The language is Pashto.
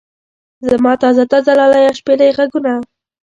زما تازه تازه لاليه شپېلۍ غږونه.